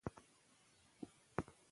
وزیرفتح خان د خپلو هڅو مسؤلیت منلی و.